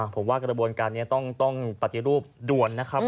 ผมว่ากระบวนการต้องตัดอย่างรูปด่วนนะครับ